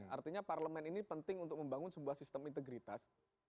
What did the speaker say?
artinya parlemen ini penting untuk membangun sebuah sistem integritas